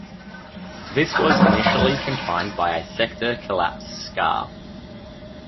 This was initially confined by a sector-collapse scar.